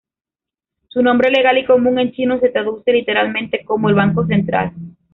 Su nombre legal y común en chino se traduce literalmente como el "Banco Central".